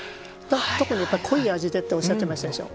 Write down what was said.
特に濃い味でとおっしゃってましたでしょう。